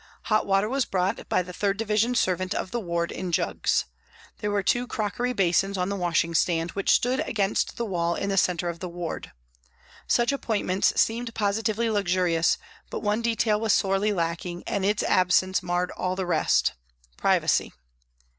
Hot water was brought by the 3rd Division servant of the ward in jugs. There were two crockery basins on the wash ing stand, which stood against the wall in the centre of the ward. Such appointments seemed positively luxurious, but one detail was sorely lacking, and its absence marred all the rest privacy.